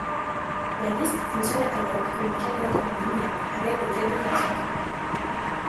La liste fonctionne alors comme une cagnotte en ligne avec des cadeaux virtuels.